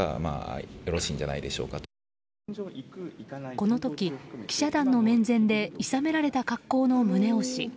この時、記者団の面前でいさめられた格好の宗男氏。